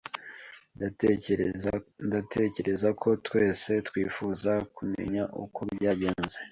Ndatekereza ko twese twifuza kumenya uko byagenze.